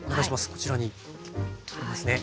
こちらにありますね。